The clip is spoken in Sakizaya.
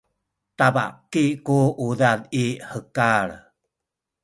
tabaki ku udad i hekal